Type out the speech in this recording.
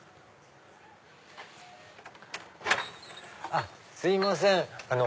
あっすいません。